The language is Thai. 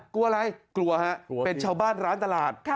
กลัวอะไรกลัวฮะเป็นชาวบ้านร้านตลาด